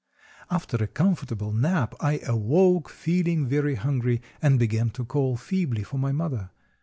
After a comfortable nap I awoke, feeling very hungry, and began to call feebly for my mother.